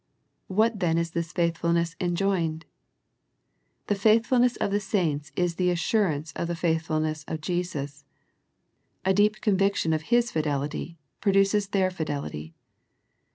What then is this faithfulness enjoined? The faith fulness of the saints is the assurance of the faithfulness of Jesus. A deep conviction of His fidelity produces their fidelity.